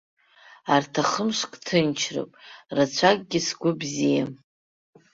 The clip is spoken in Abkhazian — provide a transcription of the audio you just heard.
Арҭ ахымшк ҭынчроуп, рацәакгьы сгәы бзиам.